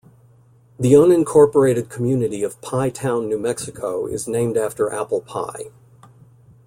The unincorporated community of Pie Town, New Mexico is named after apple pie.